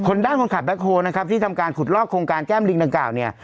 ด้านคนขับแบ็คโฮลนะครับที่ทำการขุดลอกโครงการแก้มลิงดังกล่าวเนี่ย